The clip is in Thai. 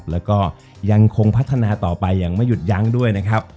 และยังคงพัฒนาต่อไปอย่างไม่หยุดยั้งด้วย